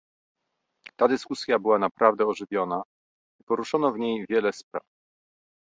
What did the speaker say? Ta dyskusja była naprawdę ożywiona i poruszono w niej wiele spraw